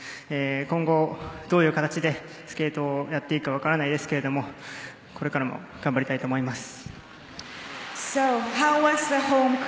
今後どういう形でスケートをやっていくか分からないですけれどもこれからも頑張りたいと思います。